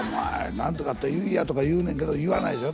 「なんとかあったら言いや」とか言うねんけど言わないでしょ